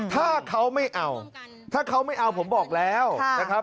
ถ้าเขาไม่เอาถ้าเขาไม่เอาผมบอกแล้วนะครับ